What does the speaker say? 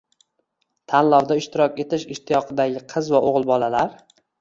tanlovda ishtirok etish ishtiyoqidagi qiz va o‘g‘il bolalar